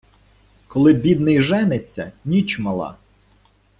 Коли бідний жениться, ніч мала.